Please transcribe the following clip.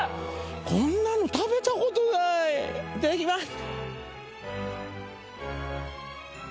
こんなの食べたことないいただきます